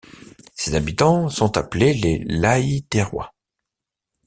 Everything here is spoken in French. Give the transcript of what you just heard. Ses habitants sont appelés les Lahitérois.